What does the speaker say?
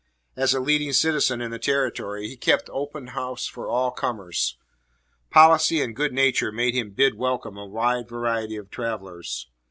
As a leading citizen in the Territory he kept open house for all comers. Policy and good nature made him bid welcome a wide variety of travelers.